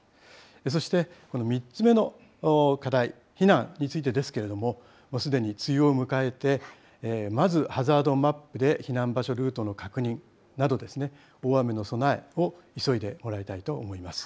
そして、この３つ目の課題、避難についてですけれども、すでに梅雨を迎えて、まずハザードマップで避難場所ルートの確認など、大雨の備えを急いでもらいたいと思います。